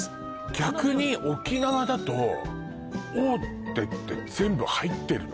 逆に沖縄だと大手って全部入ってるの？